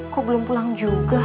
kok belum pulang juga